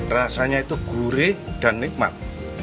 rasanya itu gurih dan nikmat